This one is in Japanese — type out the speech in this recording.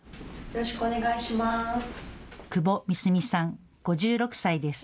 よろしくお願いします。